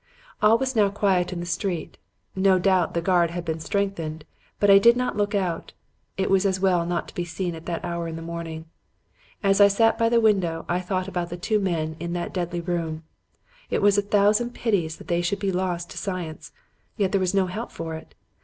"All was now quiet in the street. No doubt the guard had been strengthened, but I did not look out. It was as well not to be seen at that hour in the morning. As I sat by the window, I thought about the two men in that deadly room. It was a thousand pities that they should be lost to science. Yet there was no help for it.